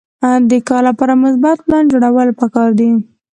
د کار لپاره مثبت پلان جوړول پکار دي.